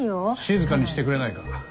静かにしてくれないか。